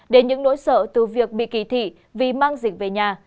đến những nỗi sợ từ việc bị kỳ thị vì mang dịch về nhà